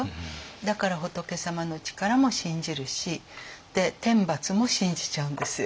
だから仏様の力も信じるしで天罰も信じちゃうんですよ。